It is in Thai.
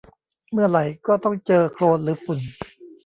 เมื่อไหร่ก็ต้องเจอโคลนหรือฝุ่น